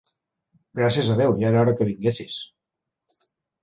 Gràcies a Déu, ja era hora que vinguessis!